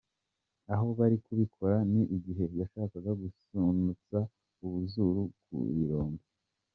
aho bari kubikora ni igihe yashakaga gusunutsa ubuzuru ku birombe.